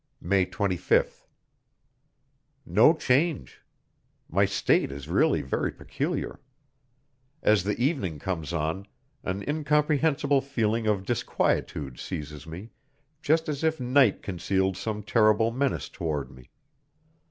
May 25th. No change! My state is really very peculiar. As the evening comes on, an incomprehensible feeling of disquietude seizes me, just as if night concealed some terrible menace toward me.